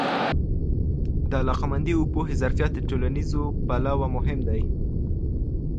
د علاقه مندي او پوهه ظرفیت د ټولنیزو پلوه مهم دی.